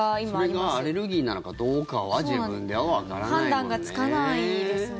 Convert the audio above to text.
それがアレルギーなのかどうかは判断がつかないですね。